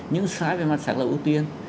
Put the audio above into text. nhưng sai về mặt xác lập ưu tiên